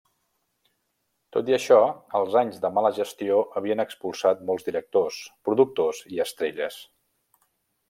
Tot i això, els anys de mala gestió havien expulsat molts directors, productors i estrelles.